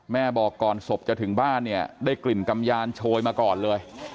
บอกก่อนศพจะถึงบ้านเนี่ยได้กลิ่นกำยานโชยมาก่อนเลย